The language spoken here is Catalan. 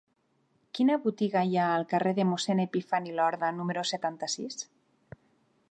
Quina botiga hi ha al carrer de Mossèn Epifani Lorda número setanta-sis?